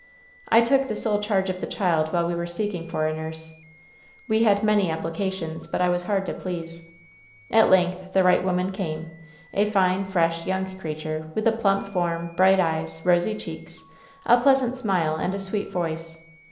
"I took the sole charge of the child while we were seeking for a nurse. We had many applications, but I was hard to please. At length the right woman came ; a fine, fresh, young creature, with a plump form, bright eyes, rosy cheeks, a pleasant smile, and a sweet voice.